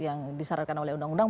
yang disarankan oleh undang undang